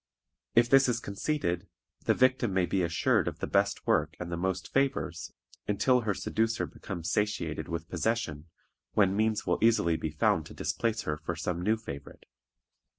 If this is conceded, the victim may be assured of the best work and the most favors until her seducer becomes satiated with possession, when means will easily be found to displace her for some new favorite.